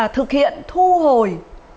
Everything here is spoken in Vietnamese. thực hiện thu hồi